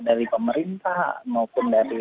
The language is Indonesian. dari pemerintah maupun dari